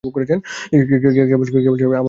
কেবল সে আমোদ করিতেই জানে, ভালোবাসিতে পারে না?